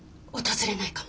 訪れないの。